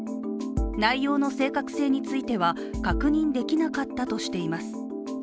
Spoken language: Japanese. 内容の正確性については確認できなかったとしています。